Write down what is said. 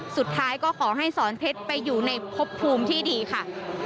สุดท้ายก็ขอให้สอนเพชรไปอยู่ในพบภูมิที่ดีค่ะ